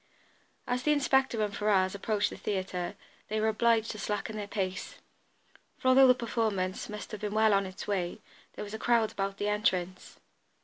As the inspector and Ferrars approached the theatre they were obliged to slacken their pace, for, although the performance must have been well on its way, there was a crowd about the entrance.